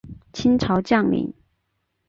清朝将领。